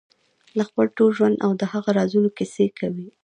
د خپل ټول ژوند او د هغه رازونو کیسې کوي.